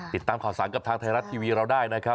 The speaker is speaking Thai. ติดตามข่าวสารกับทางไทยรัฐทีวีเราได้นะครับ